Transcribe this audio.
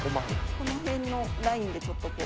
この辺のラインでちょっとこう。